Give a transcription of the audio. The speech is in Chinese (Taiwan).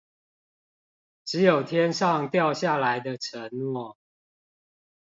只有天上掉下來的承諾